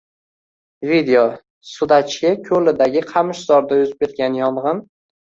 Video: Sudochye ko‘lidagi qamishzorda yuz bergan yong‘in